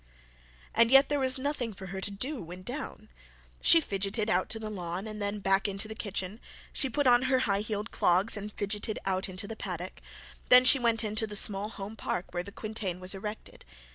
And yet there was nothing for her to do when down. She fidgeted out to the lawn, and then back into the kitchen. She put on her high heeled clogs, and fidgeted out into the paddock. Then she went into the small home park where the quintain was erected.